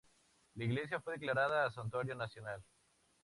La iglesia fue declarada santuario nacional.